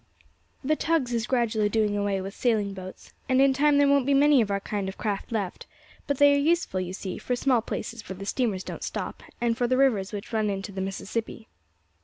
The tugs is gradually doing away with sailing boats, and in time there won't be many of our kind of craft left; but they are useful, you see, for small places where the steamers don't stop, and for the rivers which run into the Mississippi."